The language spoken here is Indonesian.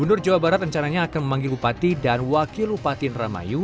gubernur jawa barat rencananya akan memanggil bupati dan wakil upati indramayu